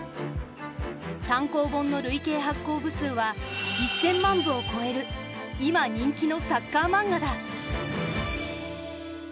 単行本の累計発行部数は１，０００万部を超える今人気のサッカーマンガだ。